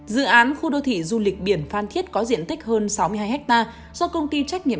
dự án khu đô thị du lịch biển phan thiết có diện tích hơn sáu mươi hai hectare do công ty trách nhiệm